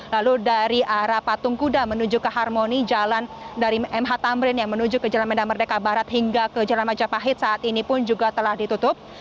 lalu dari arah patung kuda menuju ke harmoni jalan dari mh tamrin yang menuju ke jalan medan merdeka barat hingga ke jalan majapahit saat ini pun juga telah ditutup